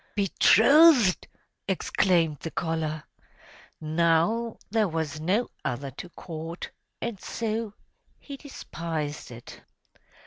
"Betrothed!" exclaimed the collar. Now there was no other to court, and so he despised it.